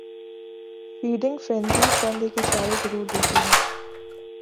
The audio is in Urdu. فیڈنگ فرینزی چند ایک اشارے ضرور دیتی ہے